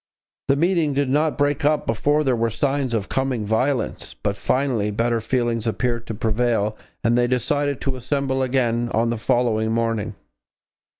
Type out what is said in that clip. The meeting did not break up before there were signs of coming violence, but finally better feelings appeared to prevail and they decided to assemble again on the following morning.